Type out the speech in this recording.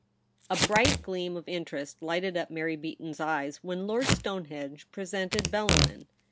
BRIGHT gleam of Interest lighted up Mary Beaton's eyes when Lord Stonehenge presented Bellarmin.